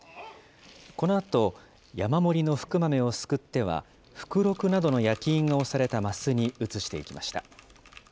このあと、山盛りの福豆をすくっては、福禄などの焼き印が押された升に移していきました。